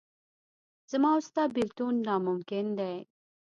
زما او ستا بېلتون ناممکن دی.